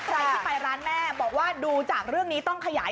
ใครที่ไปร้านแม่บอกว่าดูจากเรื่องนี้ต้องขยาย